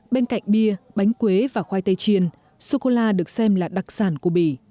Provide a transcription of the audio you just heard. bên cạnh bia bánh quế và khoai tây chiên sô cô la được xem là đặc sản của bỉ